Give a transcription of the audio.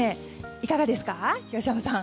いかがですか、東山さん。